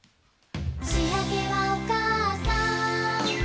「しあげはおかあさん」